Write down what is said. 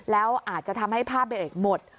แล้วอาจจะทำให้ผ้าเบรกหมด